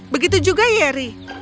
begitu juga yeri